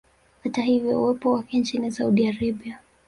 Hata hivyo uwepo wake Nchini Saudi Arabia